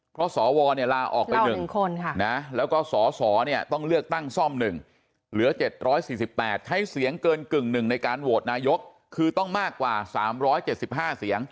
เพราะสวลาออกไป๑คนแล้วก็สสเนี่ยต้องเลือกตั้งซ่อม๑เหลือ๗๔๘ใช้เสียงเกินกึ่งหนึ่งในการโหวตนายกคือต้องมากกว่า๓๗๕เสียง